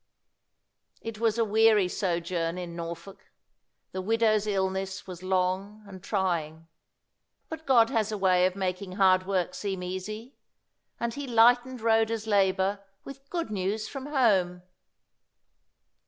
It was a weary sojourn in Norfolk. The widow's illness was long and trying. But God has a way of making hard work seem easy; and He lightened Rhoda's labour with good news from home.